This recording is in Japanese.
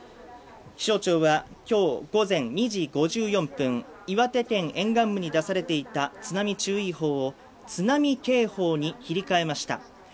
気象庁は、今日午前２時５４分岩手県沿岸部に出されていた津波注意報を津波警報に切り替えました。